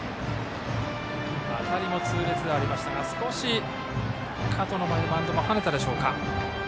当たりも痛烈ではありましたが少し加藤の前でバウンドがはねたでしょうか。